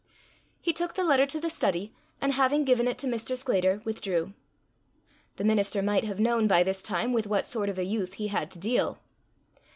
He took the letter to the study, and having given it to Mr. Sclater, withdrew. The minister might have known by this time with what sort of a youth he had to deal!